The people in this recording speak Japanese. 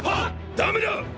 ダメだ！！